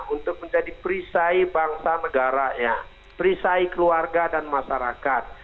untuk menjadi perisai bangsa negaranya perisai keluarga dan masyarakat